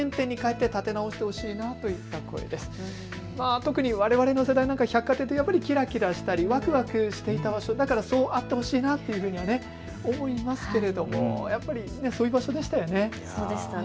特にわれわれの世代なんか百貨店っていうとやっぱりキラキラしたりワクワクしていた場所だからそうあってほしいなと思いますけれどもやっぱりそういう場所でしたよね。